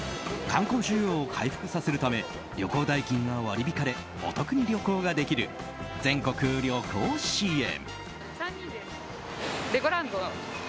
観光需要を回復させるため旅行代金が割り引かれお得に旅行ができる全国旅行支援。